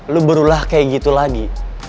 lo berulah kayak gitu lagi